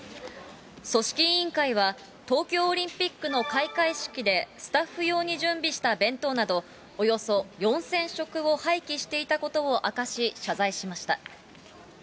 組織委員会は、東京オリンピックの開会式でスタッフ用に準備した弁当など、およそ４０００食を廃棄していたことを明かし、謝罪しました。